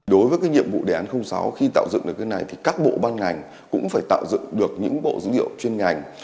đối với cái nhiệm vụ đề án sáu khi tạo dựng được cái này thì các bộ ban ngành cũng phải tạo dựng được những bộ dữ liệu chuyên ngành